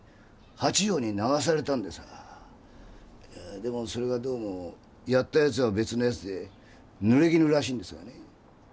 八丈に流されたんですがでもそれがどうもやった奴は別の奴で濡れ衣らしいんですよね。